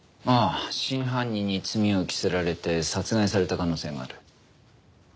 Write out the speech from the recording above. ああ真犯人に罪を着せられて殺害された可能性がある。